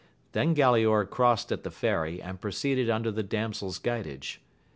Then Galaor crossed at the ferry, and proceeded under the damsel's guidage.